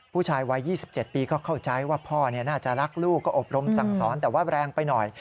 ผู้ชายวัย๒๗ปีก็เข้าใจว่าพ่อน่าจะรักลูกก็อบรมสั่งสอนแต่ว่าแรงไปหน่อย